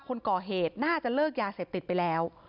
คนก่อเหตุน่าจะเลิกยาเสพติดไปแล้ว